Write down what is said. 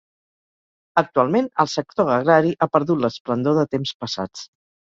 Actualment, el sector agrari ha perdut l'esplendor de temps passats.